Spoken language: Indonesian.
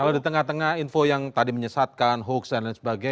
kalau di tengah tengah info yang tadi menyesatkan hoax dan lain sebagainya